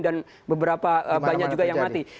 dan beberapa banyak juga yang mati